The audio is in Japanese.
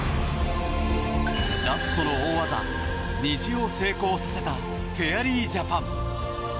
ラストの大技、虹を成功させたフェアリージャパン。